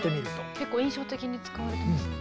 結構印象的に使われてますね。